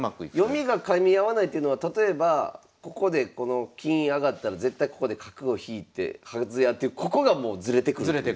読みがかみ合わないというのは例えばここでこの金上がったら絶対ここで角を引いてはずやってここがもうズレてくるってことですか？